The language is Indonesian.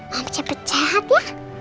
mama cepet sehat ya